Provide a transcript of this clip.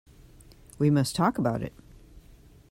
We must talk about it!